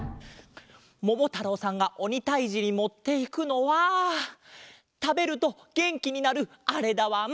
ももたろうさんがおにたいじにもっていくのはたべるとげんきになるあれだわん。